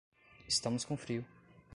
Estamos com frio